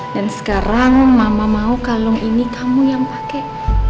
dan sekarang mama mau kalung ini kamu yang pakai